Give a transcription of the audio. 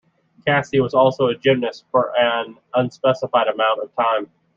Cassie was also a gymnast for an unspecified amount of time.